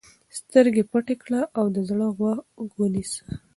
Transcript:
سترګې پټې کړه او د زړه غوږ ونیسه.